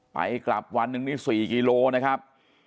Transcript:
ไปกลับวันหนึ่งนี่๔กิโลนะครับ